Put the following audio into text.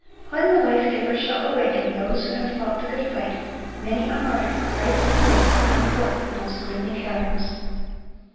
When the Lifegiver shall awaken those who have fought the good fight, many a martyr for Christ's sake will come forth from those gloomy caverns.